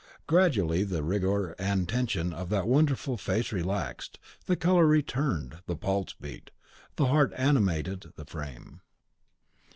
Gradually the rigour and tension of that wonderful face relaxed, the colour returned, the pulse beat: the heart animated the frame.